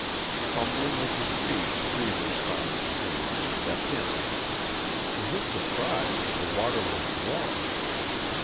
Fumbling with his feet Reivers found the stream and stepped in. To his surprise the water was warm.